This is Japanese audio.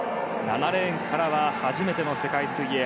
７レーンからは初めての世界水泳。